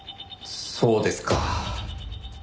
そうですか。